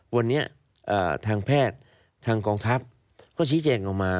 วันนี้ทางแพทย์ทางกองทัพก็ชี้แจงออกมา